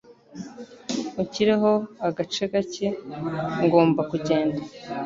Unshyireho agace kake. Ngomba kugenda.